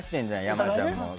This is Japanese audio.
山ちゃんも。